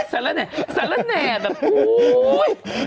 สัตว์และแหน่สัตว์และแหน่แบบอุ๊ย